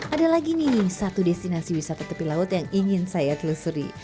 ada lagi nih satu destinasi wisata tepi laut yang ingin saya telusuri